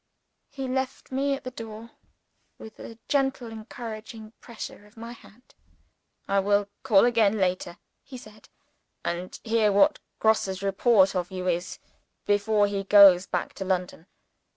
He left me at the door, with a gentle encouraging pressure of my hand. "I will call again later," he said; "and hear what Grosse's report of you is, before he goes back to London.